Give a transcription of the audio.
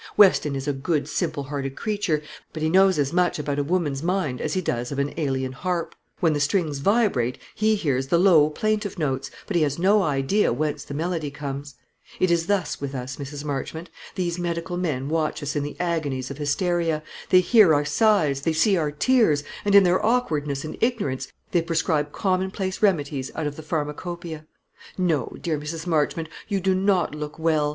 Weston is a good simple hearted creature, but he knows as much about a woman's mind as he does of an Æolian harp. When the strings vibrate, he hears the low plaintive notes, but he has no idea whence the melody comes. It is thus with us, Mrs. Marchmont. These medical men watch us in the agonies of hysteria; they hear our sighs, they see our tears, and in their awkwardness and ignorance they prescribe commonplace remedies out of the pharmacopoeia. No, dear Mrs. Marchmont, you do not look well.